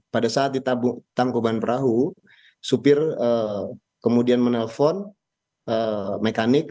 pada saat ditabung tangkuban perahu supir kemudian menelpon mekanik